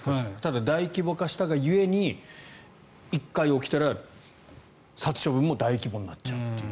ただ、大規模化したが故に１回起きたら殺処分も大規模になっちゃうという。